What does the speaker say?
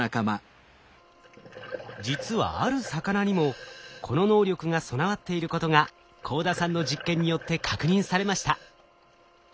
実はある魚にもこの能力が備わっていることが幸田さんの実験によって確認されました。